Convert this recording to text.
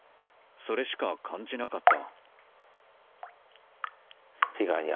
それしか感じなかった。